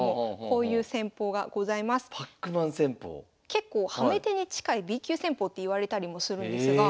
結構ハメ手に近いＢ級戦法っていわれたりもするんですが。